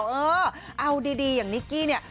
เออเอาดีอย่างนิกกี้เนี่ย